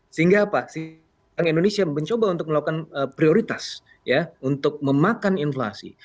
sehingga apa bank indonesia mencoba untuk melakukan prioritas untuk memakan inflasi